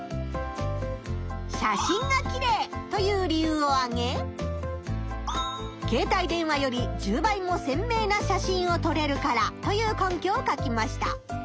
「写真がきれい」という理由をあげ「携帯電話より１０倍もせんめいな写真をとれるから」という根拠を書きました。